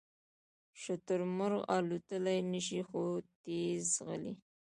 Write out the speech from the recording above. شترمرغ الوتلی نشي خو تېز ځغلي